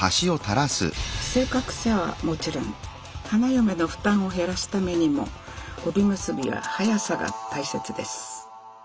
正確さはもちろん花嫁の負担を減らすためにも帯結びは「はやさ」が大切です！